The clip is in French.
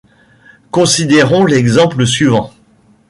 Considérons l'exemple suivant.